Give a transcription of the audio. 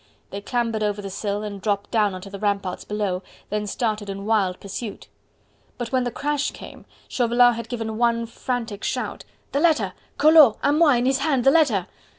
They clambered over the sill and dropped down on to the ramparts below, then started in wild pursuit. But when the crash came, Chauvelin had given one frantic shout: "The letter!!!... Collot!!... A moi.... In his hand.... The letter!..."